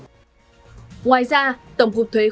ngoài ra tổng cục thuế đã phát triển các phần mềm ứng dụng